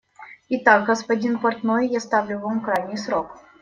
Итак, господин портной, я ставлю вам крайний срок.